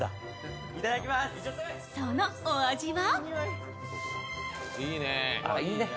そのお味は？